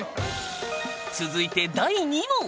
続いて第２問。